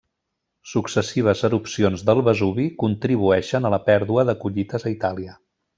Successives erupcions del Vesuvi contribueixen a la pèrdua de collites a Itàlia.